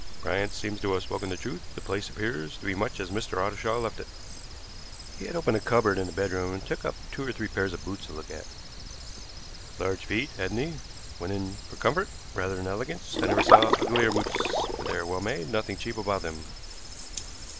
Bryant seems to have spoken the truth. The place appears to be much as Mr. Ottershaw left it." He had opened a cupboard in the bedroom, and took up two or three pairs of boots to look at. "Large feet, hadn't he? Went in for comfort rather than elegance. I never saw uglier boots. But they are well made, nothing cheap about them."